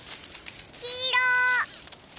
きいろ。